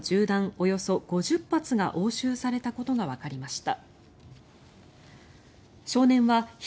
およそ５０発が押収されたことがわかりました。